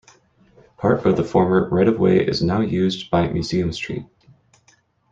Part of the former right-of-way is now used by Museum Street.